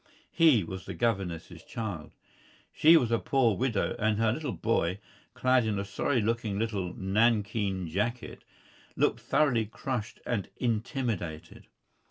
He was the governess's child. She was a poor widow, and her little boy, clad in a sorry looking little nankeen jacket, looked thoroughly crushed and intimidated.